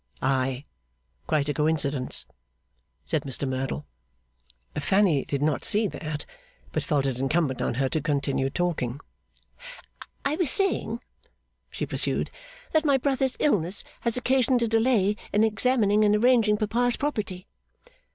'Aye! Quite a coincidence,' said Mr Merdle. Fanny did not see that; but felt it incumbent on her to continue talking. 'I was saying,' she pursued, 'that my brother's illness has occasioned a delay in examining and arranging papa's property.